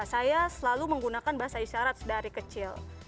saya selalu menggunakan bahasa isyarat dari kecil